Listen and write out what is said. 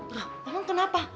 gak memang kenapa